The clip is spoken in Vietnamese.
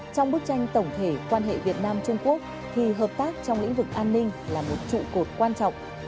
trong bức tranh tổng thể quan hệ việt nam trung quốc thì hợp tác trong lĩnh vực an ninh là một trụ cột quan trọng